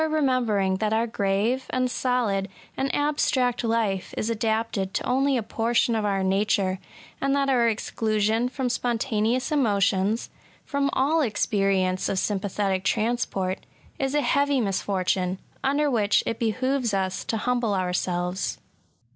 remembering that bur grave^ and solid^ and abstract life is adapted to only a portion of our nature, and that our exclusion from spontaneous emotions/ — ^from all experience of sympathetic transport, — is a heavy misfortune, under which it behoves us to humble ourselves.